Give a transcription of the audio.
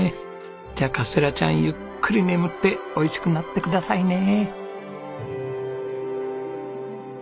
じゃあカステラちゃんゆっくり眠っておいしくなってくださいね。